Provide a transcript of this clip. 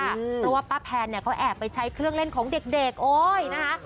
เพราะว่าป้าแพนเนี่ยเขาแอบไปใช้เครื่องเล่นของเด็กโอ๊ยนะคะ